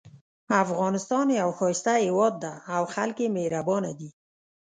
افغانستان یو ښایسته هیواد ده او خلک یې مهربانه دي